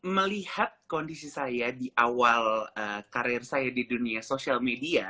melihat kondisi saya di awal karir saya di dunia social media